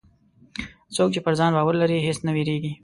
څوک چې پر ځان باور لري، هېڅ نه وېرېږي.